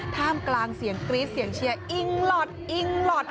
ท่ามกลางเสียงกรี๊ดเสียงเชียร์อิงหลอดอิงหลอด